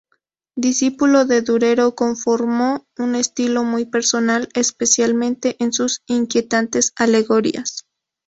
Discípulo de Durero, conformó un estilo muy personal, especialmente en sus inquietantes alegorías.